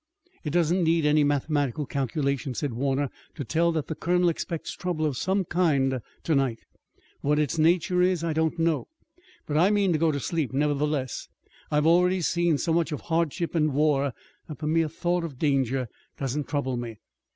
"It doesn't need any mathematical calculation," said Warner, "to tell that the colonel expects trouble of some kind tonight. What its nature is, I don't know, but I mean to go to sleep, nevertheless. I have already seen so much of hardship and war that the mere thought of danger does not trouble me.